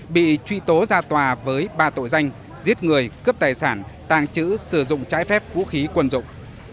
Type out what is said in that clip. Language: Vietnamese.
bị truy tố ra tòa với ba tội danh giết người cướp tài sản tàng trữ sử dụng trái phép vũ khí quân dụng